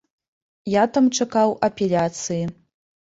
Я там чакаў апеляцыі.